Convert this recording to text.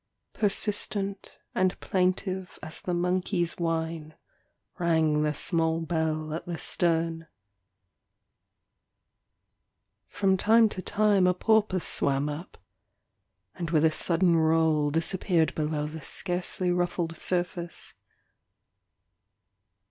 Persistent and plaintive as the monkey's whine rang the small bell at the stern. From time to time a porpoise swam up, and with a sudden roll disappeared below the scarcely ruffled surface.